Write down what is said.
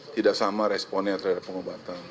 tidak sama responnya terhadap pengobatan